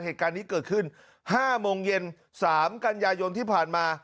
เหตุการณ์นี้เกิดขึ้น๕โมงเย็น๓กันยายนที่ผ่านมา